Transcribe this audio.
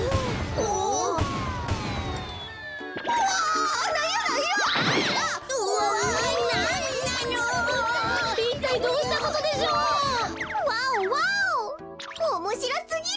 おもしろすぎる！